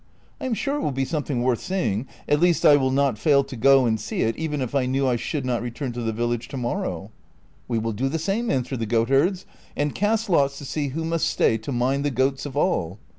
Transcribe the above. I am sure it will be something worth seeing ; at least I Avill not fail to go and see it even if I knew I should not return to the village to morrow." ■' We will do the same," answered the goatherds, " and cast lots to see who must stay to mind the goats of all."